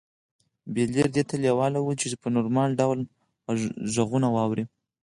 بلییر دې ته لېوال و چې په نورمال ډول غږونه واوري